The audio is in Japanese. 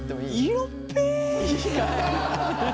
色っぺえ。